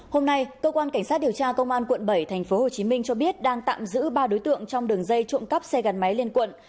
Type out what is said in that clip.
hôm nay cơ quan cảnh sát điều tra công an quận bảy thành phố hồ chí minh cho biết đang tạm giữ ba đối tượng trong đường dây trộm cắp xe gắn máy lên quận